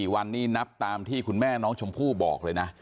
๔วันนี้นับตามที่คุณแม่น้องชมพู่บอกเลยนะ